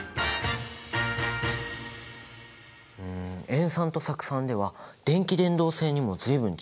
塩酸と酢酸では電気伝導性にも随分違いがあったんだね。